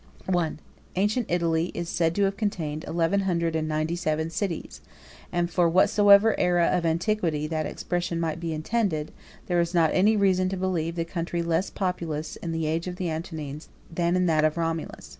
I. Ancient Italy is said to have contained eleven hundred and ninety seven cities; and for whatsoever æra of antiquity the expression might be intended, 74 there is not any reason to believe the country less populous in the age of the Antonines, than in that of Romulus.